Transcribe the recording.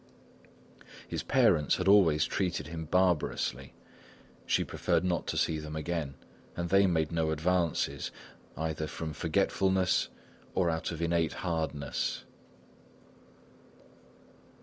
His parents had always treated him barbarously; she preferred not to see them again, and they made no advances, either from forgetfulness or out of innate hardness.